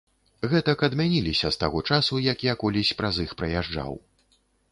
Гэтак адмяніліся з таго часу, як я колісь праз іх праязджаў.